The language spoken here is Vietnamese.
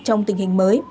trong vùng xanh